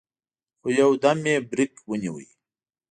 خو يودم يې برېک ونيو.